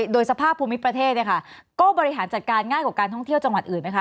โดยสภาพภูมิประเทศเนี่ยค่ะก็บริหารจัดการง่ายกว่าการท่องเที่ยวจังหวัดอื่นไหมคะ